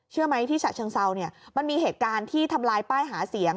ไหมที่ฉะเชิงเซาเนี่ยมันมีเหตุการณ์ที่ทำลายป้ายหาเสียง